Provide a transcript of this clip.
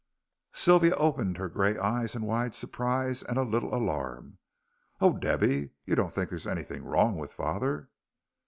Sylvia opened her grey eyes in wide surprise and a little alarm. "Oh, Debby, you don't think there's anything wrong with father?"